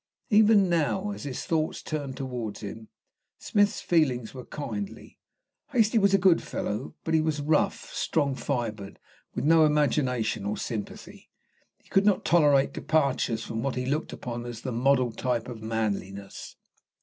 Even now, as his thoughts turned towards him, Smith's feelings were kindly. Hastie was a good fellow, but he was rough, strong fibred, with no imagination or sympathy. He could not tolerate departures from what he looked upon as the model type of manliness.